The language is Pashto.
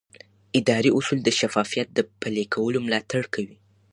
اداري اصول د شفافیت د پلي کولو ملاتړ کوي.